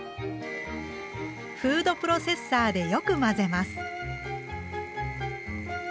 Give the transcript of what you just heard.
フードプロセッサーでよく混ぜます。